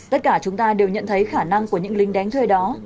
tất cả chúng ta đều nhận thấy khả năng của những lính đánh thuê đó